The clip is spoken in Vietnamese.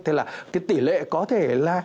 thế là cái tỷ lệ có thể là